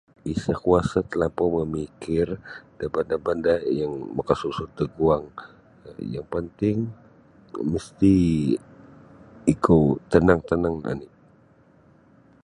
Isa kuwasa telampau memikir da banda-banda yang makasusod da guang yang penting ikau mesti ikau tenang tenangkan